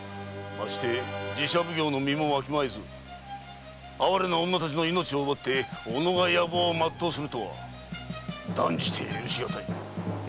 まして寺社奉行の身もわきまえず哀れな女たちの命を奪って己が野望をまっとうするとは断じて許しがたい。